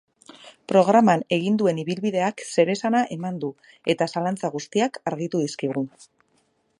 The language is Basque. Programan egin duen ibilbideak zeresana eman du eta zalantza guztiak argitu dizkigu.